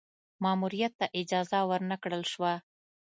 ماموریت ته اجازه ور نه کړل شوه.